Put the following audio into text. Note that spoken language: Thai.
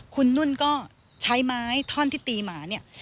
คุณนุ่นก็ใช้ไม้ท่อนที่ตีหมาเนี่ย